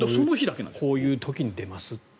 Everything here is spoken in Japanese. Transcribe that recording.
こういう日に出ますと。